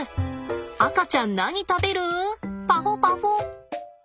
赤ちゃん何食べるパホパホ。